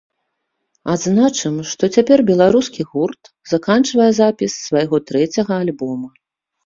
Адзначым, што цяпер беларускі гурт заканчвае запіс свайго трэцяга альбома.